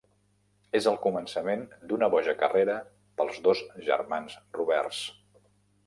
És el començament d'una boja carrera pels dos germans Roberts.